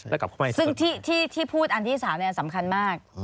แล้วกลับเข้ามาให้ศูนย์ซึ่งที่พูดอันที่สามสำคัญมาก